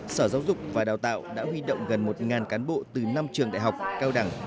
sở giáo dục và đào tạo đã huy động gần một cán bộ từ năm trường đại học cao đẳng